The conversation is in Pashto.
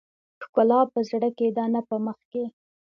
ښکلا په زړه کې ده نه په مخ کې .